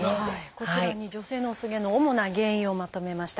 こちらに女性の薄毛の主な原因をまとめました。